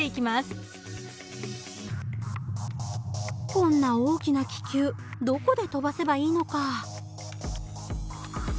こんな大きな気球どこで飛ばせばいいのか。